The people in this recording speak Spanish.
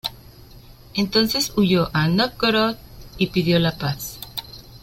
Entonces huyó a Nóvgorod y pidió la paz.